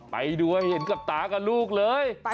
ไปดูให้เห็นกับตากับลูกเลย